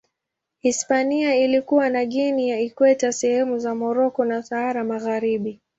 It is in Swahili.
Hispania ilikuwa na Guinea ya Ikweta, sehemu za Moroko na Sahara Magharibi.